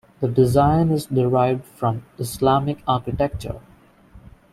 The design is derived from Islamic architecture.